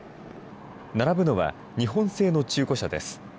並ぶのは日本製の中古車です。